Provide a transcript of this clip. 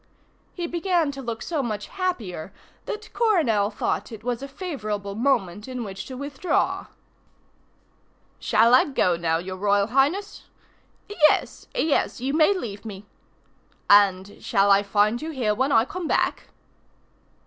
He began to look so much happier that Coronel thought it was a favourable moment in which to withdraw. "Shall I go now, your Royal Highness?" "Yes, yes, you may leave me." "And shall I find you here when I come back?"